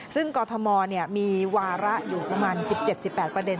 ซึ่งกรทมมีวาระอยู่ประมาณ๑๗๑๘ประเด็น